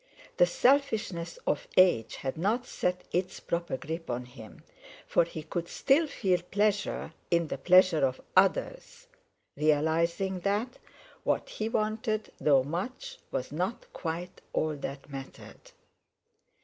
The selfishness of age had not set its proper grip on him, for he could still feel pleasure in the pleasure of others, realising that what he wanted, though much, was not quite all that mattered.